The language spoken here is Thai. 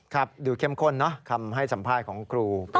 ครับดูเข้มข้นนะคำให้สัมภาษณ์ของครูปริชา